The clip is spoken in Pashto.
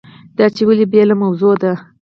دا چې ولې بېله موضوع ده.